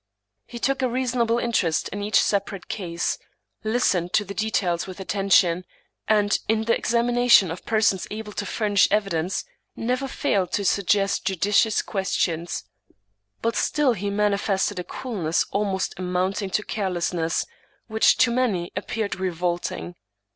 He took a reasonable interest in each separate case, listened to the details with attention, and, in the examination of persons able to furnish evidence, never failed to suggest judicious questions. But still he manifested a coolness almost amounting to careless ness, which to many appeared revolting.